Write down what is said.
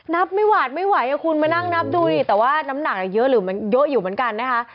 นับไม่หวาดไม่ไหวคุณมานั่งนับดูดิแต่ว่าน้ำหนักเยอะหรือมันเยอะอยู่เหมือนกันนะคะ